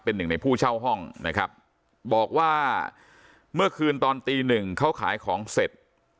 เป็นหนึ่งในผู้เช่าห้องนะครับบอกว่าเมื่อคืนตอนตีหนึ่งเขาขายของเสร็จ